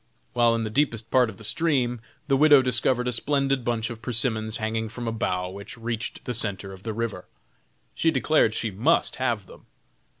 While in the deepest part of the stream the widow discovered a splendid bunch of persimmons hanging from a bough which reached to the centre of the river. She declared she must have them.